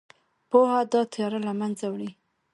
پوهه دا تیاره له منځه وړي.